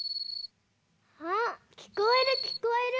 あきこえるきこえる。